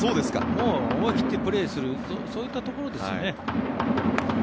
もう思い切ってプレーするそういったところですよね。